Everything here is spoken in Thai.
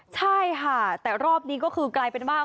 ใช่ค่ะแต่รอบนี้ก็คือกลายเป็นว่า